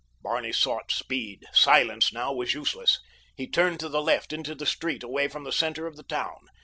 Barney sought speed—silence now was useless. He turned to the left into the street away from the center of the town.